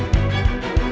ya kita berhasil